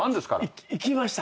行きました。